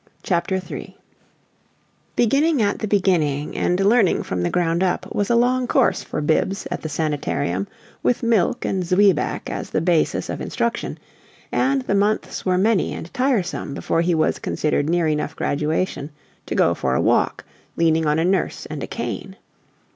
CHAPTER III Beginning at the beginning and learning from the ground up was a long course for Bibbs at the sanitarium, with milk and "zwieback" as the basis of instruction; and the months were many and tiresome before he was considered near enough graduation to go for a walk leaning on a nurse and a cane.